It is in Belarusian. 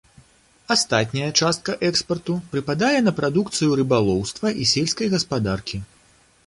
Астатняя частка экспарту прыпадае на прадукцыю рыбалоўства і сельскай гаспадаркі.